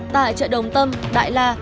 tại chợ đồng tâm đại la